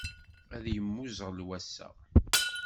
Ad yemmuẓɣel wass-a.